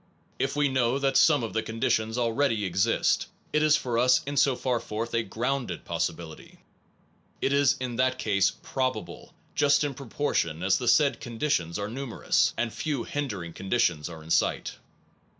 If we know that some of the conditions already exist, it is for us in so far forth a grounded* pos sibility. It is in that case probable just in propor tion as the said conditions are numerous, and few hindering conditions are in sight.